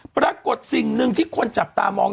ปรากฏสิ่งหนึ่งที่คนจับตามอง